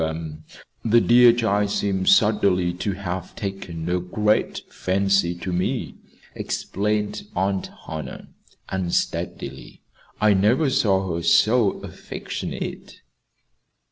The the dear child seems suddenly to have taken a great fancy to me," explained Aunt Hannah, unsteadily. "I never saw her so affectionate."